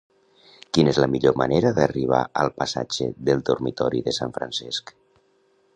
Quina és la millor manera d'arribar al passatge del Dormitori de Sant Francesc?